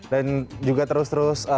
dan juga terus terus